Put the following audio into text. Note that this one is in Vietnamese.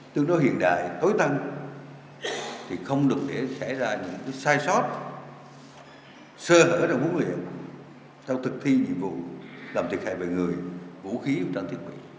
tương đối hiện đại tối tăng thì không được để xảy ra những sai sót sơ hở trong huấn luyện sau thực thi nhiệm vụ làm thực hệ bởi người vũ khí trong thiết bị